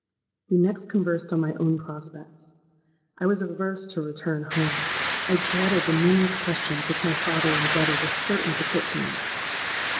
We next conversed on my own prospects. I was averse to return home: I dreaded the numerous questions which my father and brother were certain to put to me.